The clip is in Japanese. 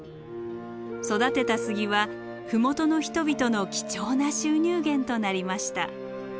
育てた杉は麓の人々の貴重な収入源となりました。